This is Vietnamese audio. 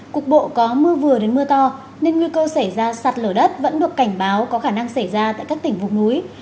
cục bộ có mưa vừa đến mưa to nên nguy cơ xảy ra sạt lở đất vẫn được cảnh báo có khả năng xảy ra tại các tỉnh vùng núi